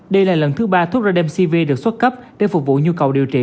đây là lần thứ ba thuốc radcv được xuất cấp để phục vụ nhu cầu điều trị